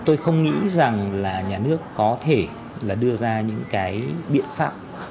tôi không nghĩ rằng là nhà nước có thể là đưa ra những cái biện pháp